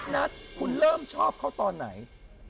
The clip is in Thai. นัทคุณเริ่มชอบเขาตอนไหน